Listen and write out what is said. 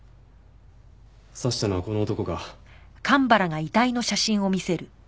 刺したのはこの男か？